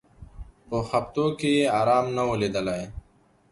په هفتو کي یې آرام نه وو لیدلی